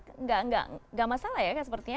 tidak masalah ya sepertinya